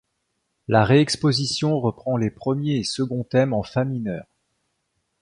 La réexposition reprend les premier et second thèmes en fa mineur.